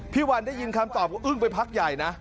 พี่วันได้ยินคำตอบก็อึ้งไปพักใหญ่นะ